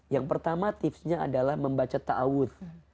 yang pertama tipsnya adalah membaca ta'awud